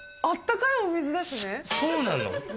そうなの？